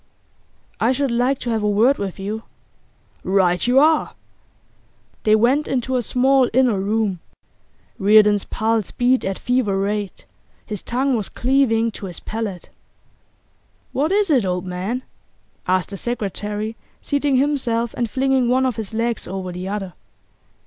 'I should like to have a word with you.' 'Right you are!' They went into a small inner room. Reardon's pulse beat at fever rate; his tongue was cleaving to his palate. 'What is it, old man?' asked the secretary, seating himself and flinging one of his legs over the other.